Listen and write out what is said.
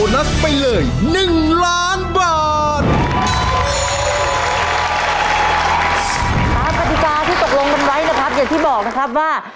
อย่างที่บอกนะครับว่า